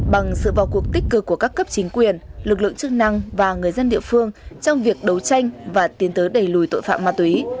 bằng sự vào cuộc tích cực của các cấp chính quyền lực lượng chức năng và người dân địa phương trong việc đấu tranh và tiến tới đẩy lùi tội phạm ma túy